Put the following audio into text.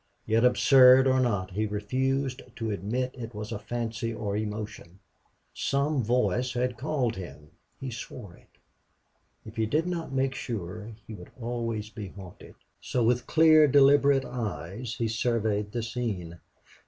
Yet absurd or not, he refused to admit it was fancy or emotion. Some voice had called him. He swore it. If he did not make sure he would always be haunted. So with clear, deliberate eyes he surveyed the scene.